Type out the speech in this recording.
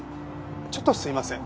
ちょっとすいません。